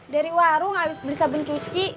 dari warung abis beli sabun cuci